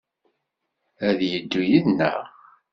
Ad d-yeddu yid-neɣ?